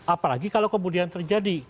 apalagi kalau kemudian terjadi